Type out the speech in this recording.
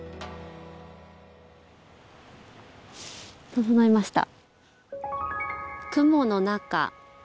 整いました。